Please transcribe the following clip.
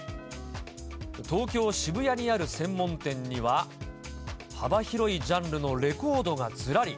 東京・渋谷にある専門店には、幅広いジャンルのレコードがずらり。